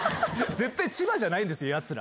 絶対千葉じゃないんですよ、やつら。